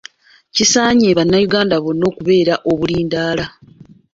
Kisaanye Bannayuganda bonna okubeera obulindaala.